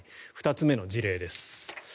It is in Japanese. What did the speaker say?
２つ目の事例です。